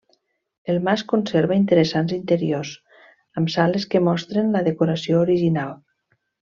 El mas conserva interessants interiors, amb sales que mostren la decoració original.